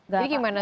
jadi gimana tuh